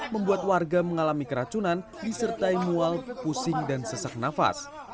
membuat warga mengalami keracunan disertai mual pusing dan sesak nafas